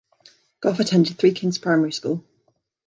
Goff attended Three Kings Primary School.